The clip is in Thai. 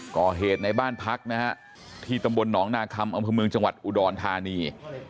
ก่อเหตุในบ้านพักนะฮะที่ตำบลหนองนาคัมอำเภอเมืองจังหวัดอุดรธานี